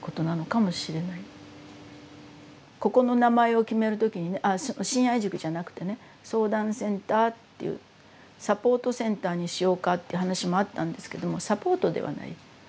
ここの名前を決める時にね信愛塾じゃなくてね相談センターっていうサポートセンターにしようかって話もあったんですけどもサポートではない。